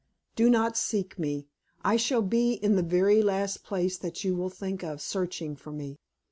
Do not seek me; I shall be in the very last place that you will think of searching for me.